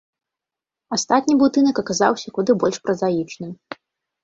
Астатні будынак аказаўся куды больш празаічным.